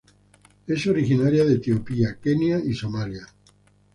Es originaria de Etiopía, Kenia, y Somalia.